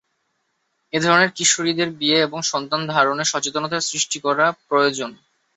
এ ধরনের কিশোরীদের বিয়ে এবং সন্তানধারণে সচেতনতা সৃষ্টি করা প্রয়োজন।